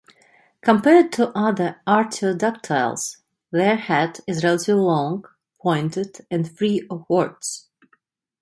Compared to other artiodactyles, their head is relatively long, pointed, and free of warts.